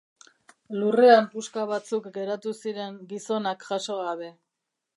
Lurrean puska batzuk geratu ziren gizonak jaso gabe.